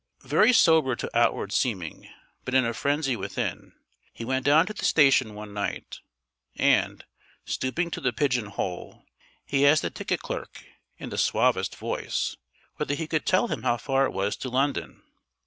Very sober to outward seeming, but in a frenzy within, he went down to the station one night, and, stooping to the pigeon hole, he asked the ticket clerk, in the suavest voice, whether he could tell him how far it was to London.